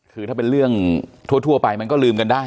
คือถ้าเป็นเรื่องทั่วไปมันก็ลืมกันได้